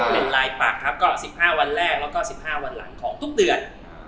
เป็นลายปากครับก็๑๕วันแรกแล้วก็๑๕วันหลังของทุกเดือน